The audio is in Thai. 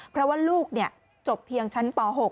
เพราะว่าลูกจบเพียงชั้นป๖